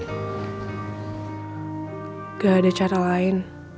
gak ada cara lain